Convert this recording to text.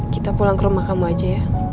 kita pulang ke rumah kamu aja ya